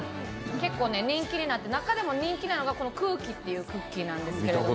結構人気になって、中でも人気なのがこの「ＣＵＫＩ−空気−」っていうクッキーなんですけど